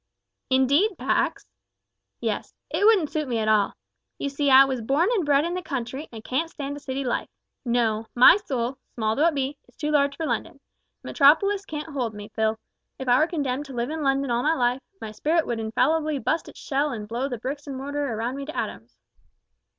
"Indeed, Pax!" "Yes. It wouldn't suit me at all. You see I was born and bred in the country, and can't stand a city life. No; my soul small though it be is too large for London. The metropolis can't hold me, Phil. If I were condemned to live in London all my life, my spirit would infallibly bu'st its shell an' blow the bricks and mortar around me to atoms."